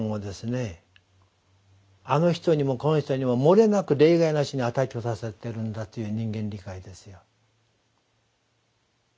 あの人にもこの人にももれなく例外なしに与えて下さってるんだという人間理解ですよ。